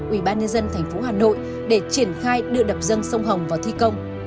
ubnd tp hà nội để triển khai đựa đập dâng sông hồng vào thi công